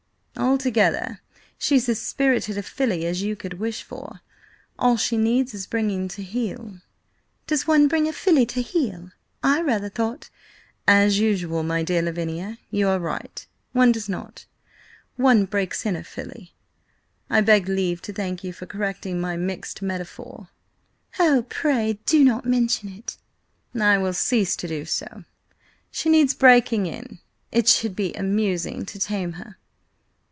"Altogether she's as spirited a filly as you could wish for. All she needs is bringing to heel." "Does one bring a filly to heel? I rather thought—" "As usual, my dear Lavinia, you are right: one does not. One breaks in a filly. I beg leave to thank you for correcting my mixed metaphor." "Oh, pray do not mention it." "I will cease to do so. She needs breaking in. It should be amusing to tame her."